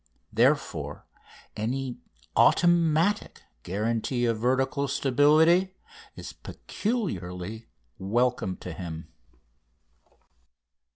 Therefore any automatic guarantee of vertical stability is peculiarly welcome to him.